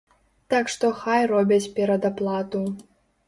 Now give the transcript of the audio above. Так што хай робяць перадаплату.